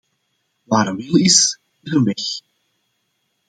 Waar een wil is, is een weg...